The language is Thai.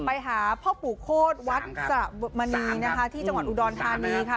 ไปหาพ่อปู่โคตรวัดสะมณีนะคะที่จังหวัดอุดรธานีค่ะ